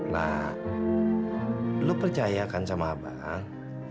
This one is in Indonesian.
lah lu percaya kan sama abang